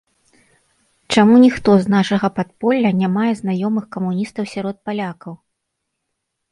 Чаму ніхто з нашага падполля не мае знаёмых камуністаў сярод палякаў?